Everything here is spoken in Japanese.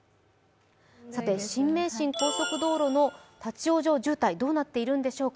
新名神高速道路の立往生渋滞どうなっているんでしょうか？